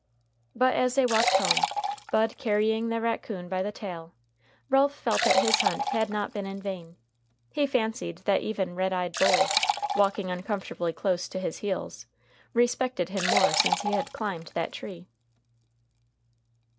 But as they walked home, Bud carrying the raccoon by the tail, Ralph felt that his hunt had not been in vain. He fancied that even red eyed Bull, walking uncomfortably close to his heels, respected him more since he had climbed that tree.